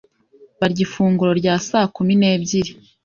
Barya ifunguro rya saa kumi n'ebyiri.